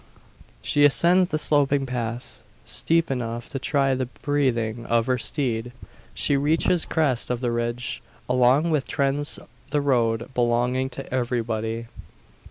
She ascends the sloping path steep enough to try the breathing of her steed. She reaches the crest of the ridge, along which trends the road belonging to everybody.